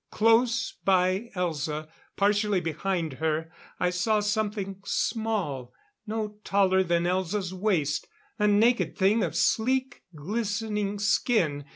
Close by Elza, partially behind her, I saw something small, no taller than Elza's waist. A naked thing of sleek, glistening skin.